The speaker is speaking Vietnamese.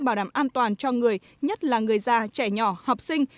bảo đảm an toàn cho người nhất là người già trẻ nhỏ học sinh